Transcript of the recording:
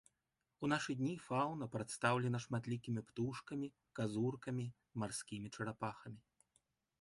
У нашы дні фаўна прадстаўлена шматлікімі птушкамі, казуркамі, марскімі чарапахамі.